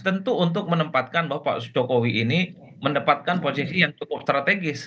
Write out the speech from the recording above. tentu untuk menempatkan bahwa pak jokowi ini mendapatkan posisi yang cukup strategis